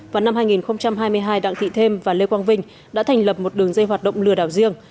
vào năm hai nghìn hai mươi hai đặng thị thêm và lê quang vinh đã thành lập một đường dây hoạt động lừa đảo riêng